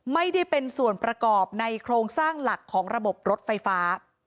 ไม่ได้เป็นส่วนประกอบในโครงสร้างหลักของระบบรถไฟฟ้า